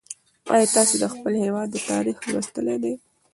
ایا تاسې د خپل هېواد تاریخ لوستلی دی؟